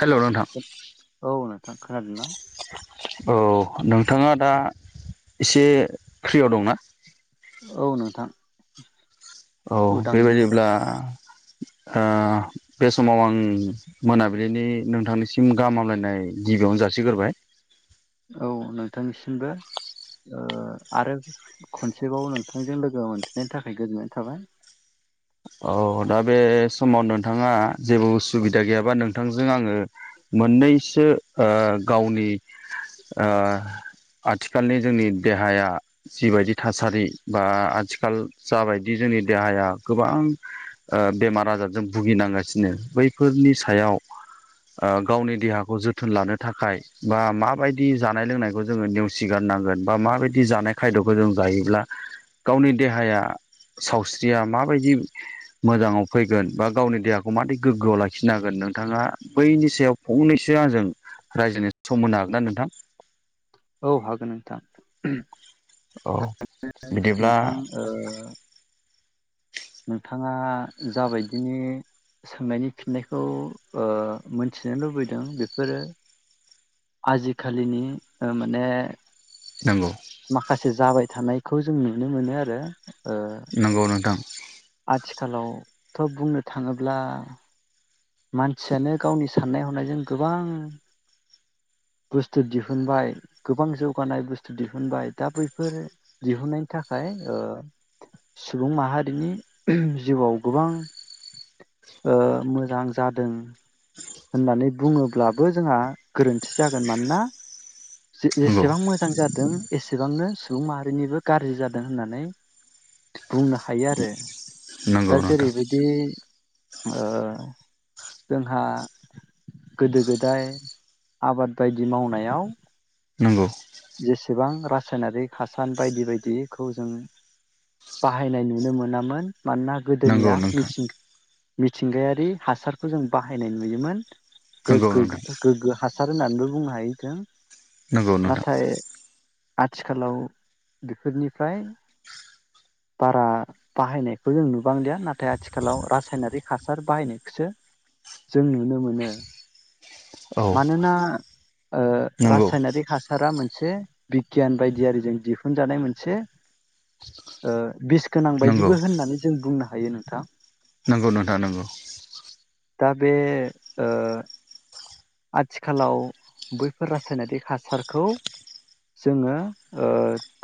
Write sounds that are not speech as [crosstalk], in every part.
[inaudible] Hello नोंथां थां खोनादो ना? औ नोंथाङा दा इसे फ्रिआव दंना? औ नोंथां। औ उदाङैनो बेबायदिब्ला ओ बे समाव आं मोनाबिलिनि नोंथांनिसिम गाहाम हामलायनाय गिबियावनो जासिग्रोबाय। औ नोंथांनिसिमबो ओ आरो खनसेबाव नोंथांजों लोगो मोनफिननायनि थाखाय गोजोननाय थाबाय। औ दा बे समाव नोंथाङा जेबो उसुबिदा गैयाबा नोंथांजों आङो मोननैसो ओ गावनि ओ आथिखालनि जोंनि देहाया जिबायदि थासारि बा आथिखाल जाबायदि जोंनि देहाया गोबां ओ बेमार आजारजों भुगिनांगासिनो बैफोरनि सायाव ओ गावनि देहाखौ जोथोन लानो थाखाय बा माबायदि जानाय लोंनायखौ जोङो नेवसिगारनांगोन बा माबायदि जानाय खायद'खौ जों जायोब्ला गावनि देहाया सावस्रिया माबायदि मोजाङाव फैगोन बा गावनि देहाखौ मादै गोग्गोआव लाखिनो हागोन नोंथाङा बैनि सायाव फंनैसो आंजों रायज्लायनाय सम होनो हागोन ना नोंथां? औ हागोन नोंथां। औ थारैनो बिदिब्ला नोंथां ओ नोंथाङा जाबायदिनि सोंनायनि फिननायखौ ओ मोनथिनो लुबैदों बेफोरो आजिखालिनि ओ माने नोंगौ। माखासे जाबाय थानाय खौ जों नुनो मोनो आरो ओ नोंगौ नोंथां। आथिखालावथ' बुंनो थाङोब्ला मानसियानो गावनि साननाय हनायजों गोबां बुस्थु दिहुनबाय गोबां जौगानाय बुस्थु दिहुनबाय दा बैफोर दिहुननायनि थाखाय ओ सुबुं माहारिनि जिउआव गोबां ओ मोजां जादों होननानै बुङोब्लाबो जोंहा गोरोन्थि जागोन मानोना नंगौ जे-जेसेबां मोजां जादों एसेबांनो सुबुं माहारिनिबो गारजि जादों होननानै बुंनो हायो आरो नंगौ दा नोंथां जेरैबायदि ओ जोंहा गोदो गोदाय आबाद बायदि मावनायाव नंगौ गोबां रासायनारिक हासार बायदि बायदिखौ जों बाहायनाय नुनो मोनामोन मानोना नंगौ गोदोनिया नोंथां मिथिंगा मिथिंगायारि हासार खौ जों बाहायनाय नुयोमोन नंगौ गोगगो नोंथां गोगो हास सार होननानैबो बुंनो हायो जों नंगौ नोंथां नाथाय आथिखालाव बेफोरनिफ्राय बारा बाहायनायखौ जों नुबांलिया। नाथाय आथिखालाव रासायनारि हासार बाहायनायखौसो जों नुनो मोनो औ मानोना ओ नंगौ रासायनारिक हासारा मोन से बिगियान बायदियारिजों दिहुनजानाय मोनसे ओ बिस गोनां बायदिबो होननानै जों बुंनो हायो नोंथां नोंगौ नोंथां नोंगौ दा बे ओ आथिखालाव बैफोर रासायनारि हासारखौ जोंङो ओ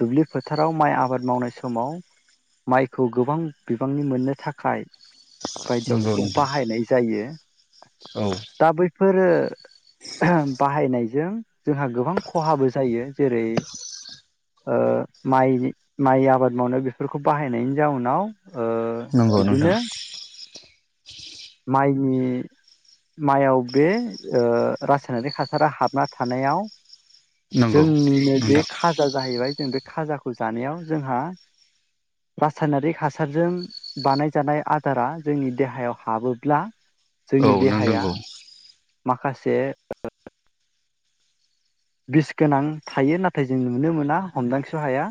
दुब्लि फोथाराव माइ आबाद मावनाय समाव माइखौ गोबां बिबांनि मोननो थाखाय बायदियाव नंगौ बेखौ नोंथां बाहायनाय जायो औ दा बैफोरो बाहायनायजों जोंहा गोबां खहाबो जायो जेरै ओ माइ माइ आबाद मावनाय बेफोरखौ बाहायनायनि जाउनाव ओ नंगौ नोंथां बिदिनो माइनि माइयाव बे ओ रासायनारि हासारा हाबना थानायाव नंगौ जोंनिनो बे नोंथां खाजा जाहैबाय जों बे खाजाखौ जानायाव जोंहा रासायनारि हानायजों बानाय जानाय आदारा जोंनि देहायाव हाबोब्ला औ जोंनि नों देहाया नंगौ माखासे बिस गोनां थायो नाथाय जों नुनो मोना हमदांस हाया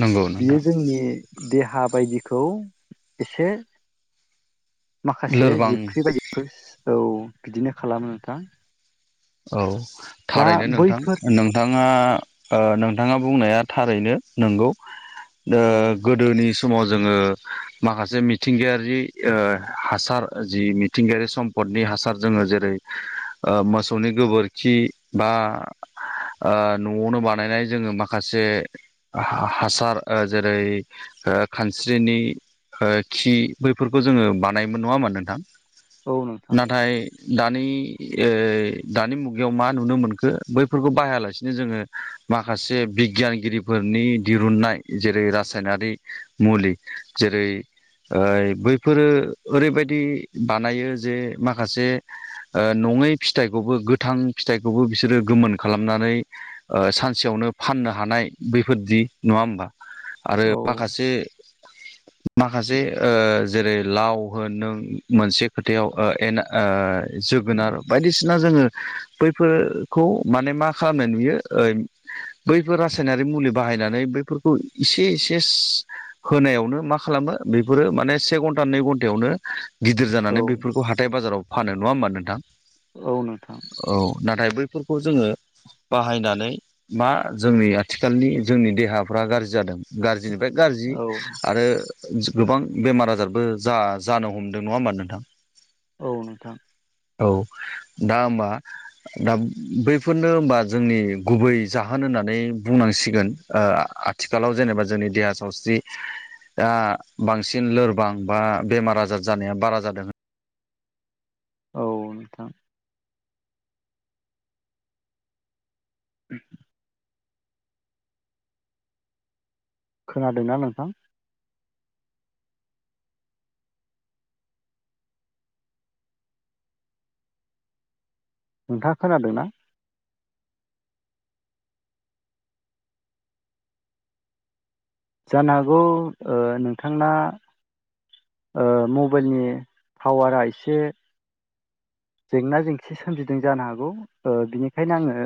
नंगौ नोंथां बियो जोंनि देहा बायदिखौ एसे माखासे लोरबां जिबख्रि बायदिफोर औ बिदिनो खालामो नोंथां औ दा थारैनो नोंथां बैफोर नोंथाङा ओ नोंथाङा बुंनाया थारैनो नोंगौ ओ औ गोदोनि समाव जोङो माखासे मिथिंगायारि ओ हासार जि मिथिंगायारि सम्पदनि हासार जोङो जेरै ओ मौ सौनि गोबोरखि बा ओ न'आवनो बानायनाय जोङो माखासे हा हासार ओ जेरै खानस्रिनि खि बैफोरखौ जोङो बानायोमोन नङा होनबा नोंथां? औ नोंथां नाथाय दानि एइ दानि मुगायाव मा नुनो मोनखो बैफोरखौ बाहायालासिनो जोङो माखासे बिगियानगिरिफोरनि दिरुननाय जेरै रासायनारि मुलि जेरै ओ बैफोरो ओरैबायदि बानायो जे माखासे ओ नङै फिथाइ खौबो गोथां फिथाइखौबो बिसोरो गोमोन खालामनानै आरो औ माखासे [inaudible] माखासे ओ जेरै लाव होन नों मोनसे खोथायाव ओ एना ओ जोगोनार बायदिसि ना जोङो बैफोरखौ माने मा खालामनाय नुयो ओ बैफोर रासायनारि मुलि बाहायनानै बैफोरखौ इसे एसे होनायावनो मा खालामो बेफोरो माने से घन्टा नै घन्टायावनो गिदिर जानानै औ बेफोरखौ हाथाय बाजाराव फानो नङा होमबा नोंथां? औ नोंथां औ नाथाय बै फोरखौ जोङो बाहायनानै मा जोंनि आथिखालनि जोंनि देहाफ्रा गाज्रि जादों गाज्रि निफ्राय गाज्रि औ आरो गोबां बेमार आजारबो जा जानो हमदों नङा होमबा नोंथां? औ नोंथां औ दा हबा दा बैफोरनो हबा जोंनि गुबै जाहोन होननानै बुंनांसिगोन आथिखालाव जेनेबा जोंनि देहा सावस्रिया बांसिन लोरबां बा बेमार आजार जानाया बारा जादों औ नोंथां [inaudible] खोनादोंना नोंथां? नोंथाङा खोनादोंना? जानो हागौ ओ नोंथांना ओ मबाइलनि पावारा एसे जेंना जेंसि सोमजिदों जानो हागौ ओ बिनिखायनो आङो